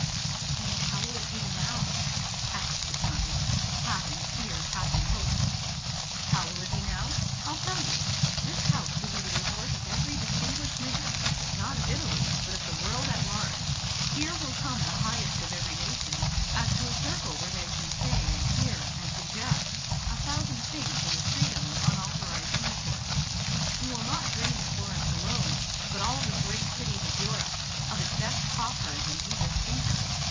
"And how will it be now?" asked the Countess, half in fear, half in hope. "How will it be now? I 'll tell you. This house will be the resort of every distinguished man, not of Italy, but of the world at large. Here will come the highest of every nation, as to a circle where they can say, and hear, and suggest a thousand things in the freedom of unauthorized intercourse. You will not drain Florence alone, but all the great cities of Europe, of its best talkers and deepest thinkers.